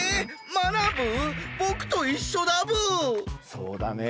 そうだね！